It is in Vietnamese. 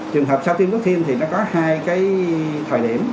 trường hợp sau tiêm vaccine thì nó có hai cái thời điểm